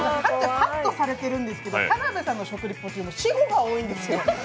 カットされてるんですけど、田辺さんの食リポって私語が多いんですよ。